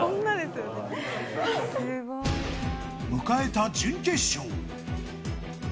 迎えた準決勝。